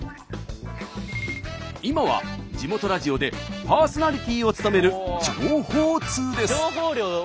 今は地元ラジオでパーソナリティを務める情報通です。